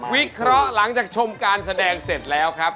วิเคราะห์หลังจากชมการแสดงเสร็จแล้วครับ